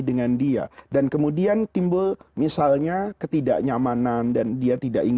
dengan dia dan kemudian timbul misalnya ketidaknyamanan dan dia tidak